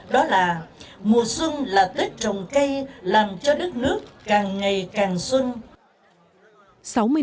đó là mùa xuân là tết trồng cây làm cho đất nước càng ngày càng xuân